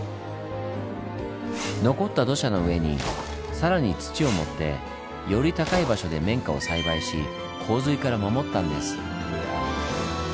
残った土砂の上に更に土を盛ってより高い場所で綿花を栽培し洪水から守ったんです。